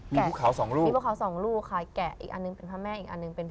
ภูเขาสองลูกมีพวกเขาสองลูกค่ะแกะอีกอันหนึ่งเป็นพระแม่อีกอันหนึ่งเป็นพ่อ